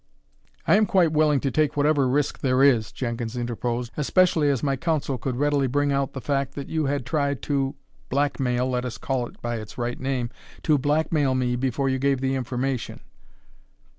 "I am quite willing to take whatever risk there is," Jenkins interposed, "especially as my counsel could readily bring out the fact that you had tried to blackmail let us call it by its right name to blackmail me before you gave the information.